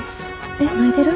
えっ泣いてる？